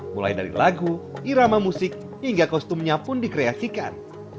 mulai dari lagu irama musik hingga kostumnya pun dikreasikan